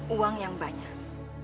uang yang banyak